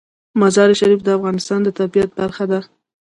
مزارشریف د افغانستان د طبیعت برخه ده.